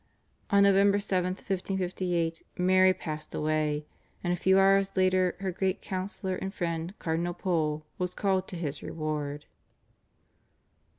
On November 17th 1558 Mary passed away, and a few hours later her great counsellor and friend Cardinal Pole was called to his reward.